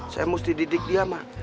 saya mesti didik dia mak